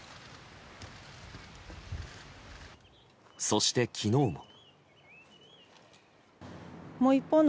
そして、昨日も。